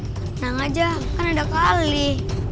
tenang aja kan ada kali